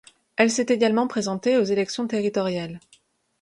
Elle s'est également présentée aux élections territoriales.